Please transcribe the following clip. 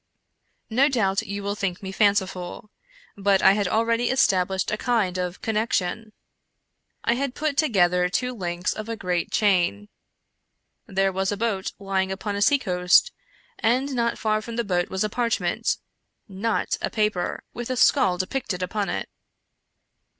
" No doubt you will think me fanciful — but I had already established a kind of connection. I had put together two links of a great chain. There was a boat lying upon a sea coast, and not far from the boat was a parchment — not a paper — with a skull depicted upon it.